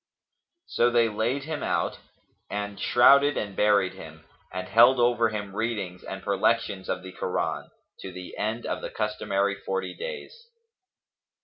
So they laid him out and shrouded and buried him and held over him readings and perlections of the Koran, to the end of the customary forty days.